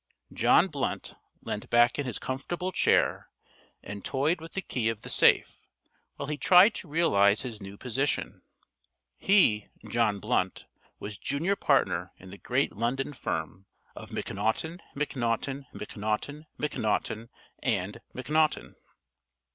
John Blunt leant back in his comfortable chair and toyed with the key of the safe, while he tried to realise his new position. He, John Blunt, was junior partner in the great London firm of Macnaughton, Macnaughton, Macnaughton, Macnaughton & Macnaughton.